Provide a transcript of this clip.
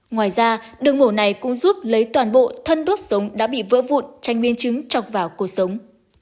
ngoài ra đường mổ này cũng giúp lấy toàn bộ thân đốt sống đã bị vỡ vụn tranh nguyên chứng cho vào cuộc sống